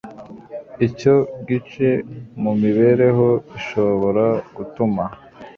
icyo gice mu mibereho ishobora gutuma